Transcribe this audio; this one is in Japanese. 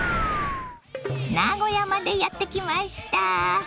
名古屋までやって来ました。